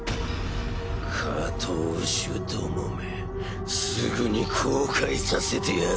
下等種どもめすぐに後悔させてやる！